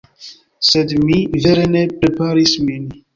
Sed mi vere ne preparis min